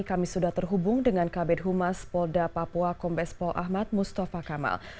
kami sudah terhubung dengan kabupaten humas polda papua kombespo ahmad mustafa kamal